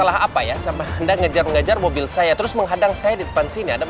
lo jangan pernah mikir kalau gue akan kalah dari lo